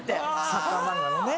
サッカー漫画のね。